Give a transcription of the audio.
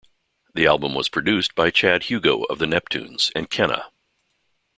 The album was produced by Chad Hugo of The Neptunes and Kenna.